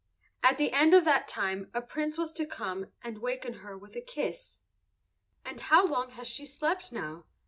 At the end of that time a Prince was to come and waken her with a kiss." "And how long has she slept now?"